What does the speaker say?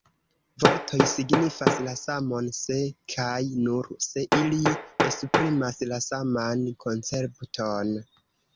Vortoj signifas la samon se kaj nur se ili esprimas la saman koncepton.